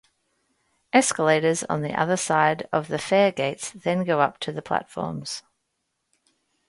Escalators on the other side of the faregates then go up to the platforms.